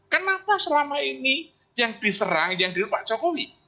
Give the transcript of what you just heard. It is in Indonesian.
kenapa selama ini yang diserang yang dirilis pak jokowi